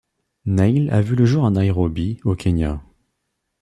Neil a vu le jour à Nairobi, au Kenya.